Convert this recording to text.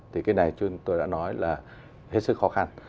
thì cái này chúng tôi đã nói là hết sức khó khăn